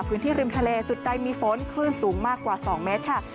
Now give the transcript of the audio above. พื้นที่ริมทะเลจุดใดมีฝนคลื่นสูงมากกว่า๒เมตรค่ะ